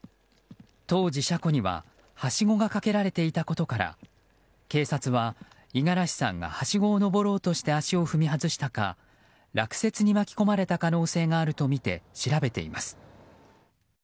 当時、車庫にははしごがかけられていたことから警察は五十嵐さんがはしごを上ろうとして足を踏み外したか落雪に巻き込まれた可能性があるとみて調べています。